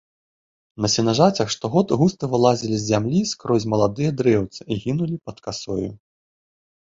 На сенажацях штогод густа вылазілі з зямлі скрозь маладыя дрэўцы і гінулі пад касою.